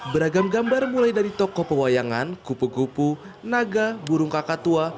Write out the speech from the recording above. beragam gambar mulai dari tokoh pewayangan kupu kupu naga burung kakak tua